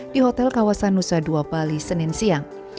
di hotel kawasan nusa dua bali senin siang